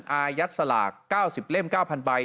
อายัดสลาก๙๐เล่ม๙๐๐ใบ